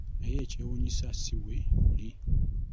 Naye ekyewuunyisa si bwe guli!